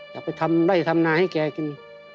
จะไปทำไรทำหน้าให้แกกิน